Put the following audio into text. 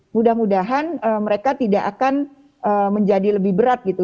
mudah mudahan mereka tidak akan menjadi lebih berat gitu